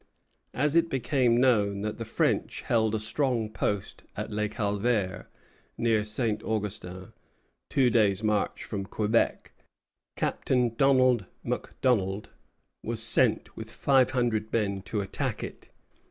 As it became known that the French held a strong post at Le Calvaire, near St. Augustin, two days' march from Quebec, Captain Donald MacDonald was sent with five hundred men to attack it.